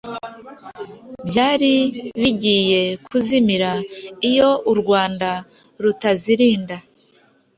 byari bigiye kuzimira iyo u Rwanda rutazirinda